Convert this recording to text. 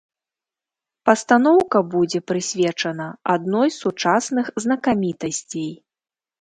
Пастаноўка будзе прысвечана адной з сучасных знакамітасцей.